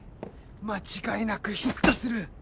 間違いなくヒットする。